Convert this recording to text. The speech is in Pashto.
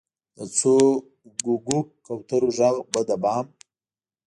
د څو ګوګو، کوترو ږغ به د بام،